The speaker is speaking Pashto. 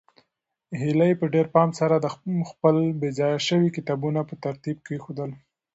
هیلې په ډېر پام سره خپل بې ځایه شوي کتابونه په ترتیب کېښودل.